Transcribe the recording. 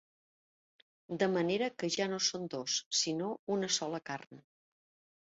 De manera que ja no són dos, sinó una sola carn.